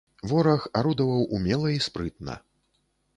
Вораг арудаваў умела і спрытна.